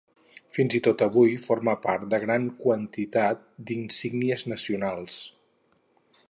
Fins i tot avui forma part de gran quantitat d'insígnies nacionals.